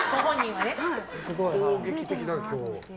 攻撃的だな、今日。